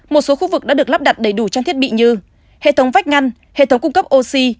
một số khu vực đã được lắp đặt đầy đủ trang thiết bị như hệ thống vách ngăn hệ thống cung cấp oxy